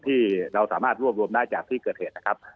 ที่เราสามารถรวบรวมได้จากที่เกิดเหตุนะครับ